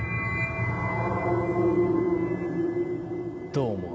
どう思う？